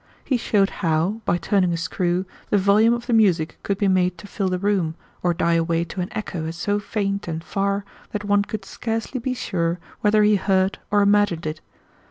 He showed how, by turning a screw, the volume of the music could be made to fill the room, or die away to an echo so faint and far that one could scarcely be sure whether he heard or imagined it.